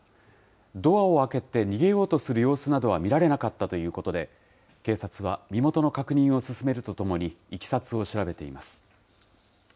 ドアを開けて逃げようとする様子などは見られなかったということで、警察は身元の確認を進めるとともに、いきさつを調べています。